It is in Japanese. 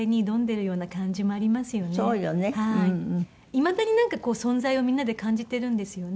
いまだに存在をみんなで感じてるんですよね。